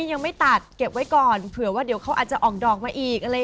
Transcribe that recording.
ยังไม่ตัดเก็บไว้ก่อนเผื่อว่าเดี๋ยวเขาอาจจะออกดอกมาอีก